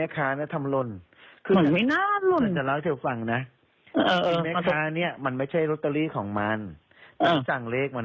คุณต้องฝากเพื่อช่วยคุณเช่นข้างเห็น